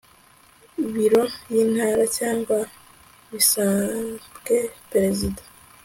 Biro y Intara cyangwa bisabwe Perezida